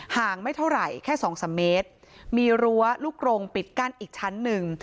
ห่างไม่เท่าไหร่แค่สองสามเมตรมีรั้วลูกโรงปิดกั้นอีกชั้นหนึ่ง